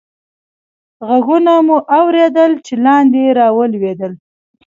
ږغونه مو اورېدل، چې لاندې رالوېدل.